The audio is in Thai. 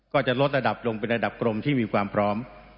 ก็จะลดระดับลงเป็นระดับกรมที่มีความพร้อม